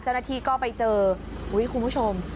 เจ้าหน้าที่ก็ไปเจออุ๊ยคุณผู้ชม